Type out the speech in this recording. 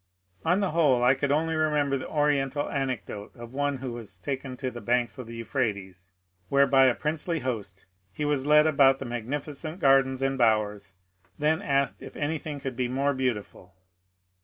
On the whole I could only remember the oriental anecdote of one who was taken to the banks of the Euphrates, where by a princely host he was led about the magnificent gardens and bowers, then asked if anything could be more beautiful.